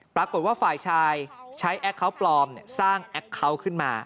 ปรากฏว่าฝ่ายชายใช้แอคเคาน์ปลอมสร้างแอคเคาน์ขึ้นมา